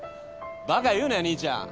バカ言うなよ兄ちゃん。